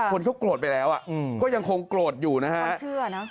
คนเขากลดไปแล้วก็ยังคงกลดอยู่นะฮะ